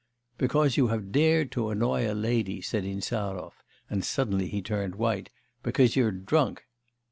'Because you have dared to annoy a lady,' said Insarov, and suddenly he turned white, 'because you're drunk.